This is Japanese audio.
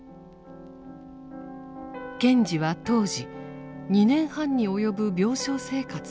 賢治は当時２年半に及ぶ病床生活を終えたばかりでした。